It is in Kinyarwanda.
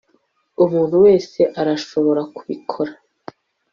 umuntu wese arashobora kubikora